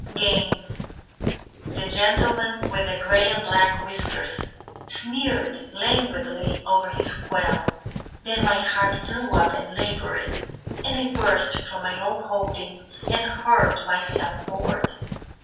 Game The gentleman with the grey and black whiskers Sneered languidly over his quail. Then my heart flew up and laboured, And I burst from my own holding And hurled myself forward.